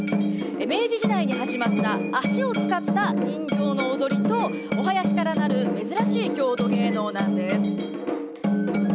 明治時代に始まった足を使った人形の踊りとお囃子からなる珍しい郷土芸能なんです。